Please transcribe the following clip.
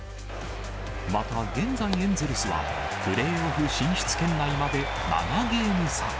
また現在、エンゼルスはプレーオフ進出圏内まで７ゲーム差。